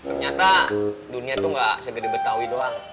ternyata dunia itu gak segede betawi doang